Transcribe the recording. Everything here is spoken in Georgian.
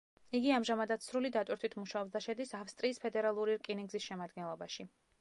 იგი ამჟამადაც სრული დატვირთვით მუშაობს და შედის ავსტრიის ფედერალური რკინიგზის შემადგენლობაში.